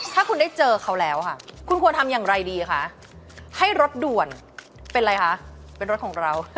ถ้าคุณได้เจอเขาแล้วค่ะคุณควรทำอย่างไรดีคะให้รถด่วนเป็นอะไรคะเป็นรถของเรา